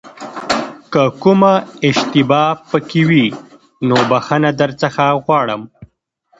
که کومه اشتباه پکې وي نو بښنه درڅخه غواړم.